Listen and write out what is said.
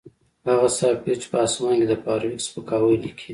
هغه سافټویر چې په اسمان کې د فارویک سپکاوی لیکي